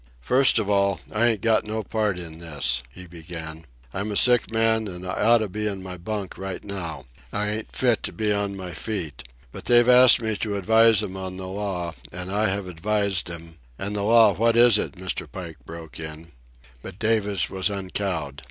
"First of all, I ain't got no part in this," he began. "I'm a sick man, an' I oughta be in my bunk right now. I ain't fit to be on my feet. But they've asked me to advise 'em on the law, an' I have advised 'em—" "And the law—what is it?" Mr. Pike broke in. But Davis was uncowed.